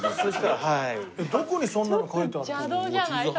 どこにそんなの書いてあるの？